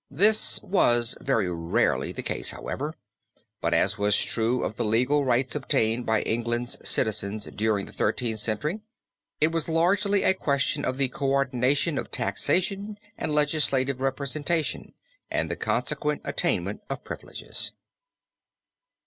This was very rarely the case, however, but as was true of the legal rights obtained by England's citizens during the Thirteenth Century, it was largely a question of the coordination of taxation and legislative representation and the consequent attainment of privileges.